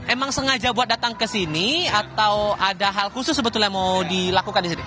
emang sengaja buat datang ke sini atau ada hal khusus sebetulnya mau dilakukan di sini